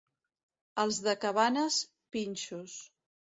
Els de Cabanes, pinxos.